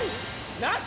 なし？